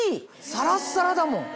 サラッサラだもん。